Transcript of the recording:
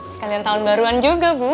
sekalian tahun baru kan kan enak ya bu ya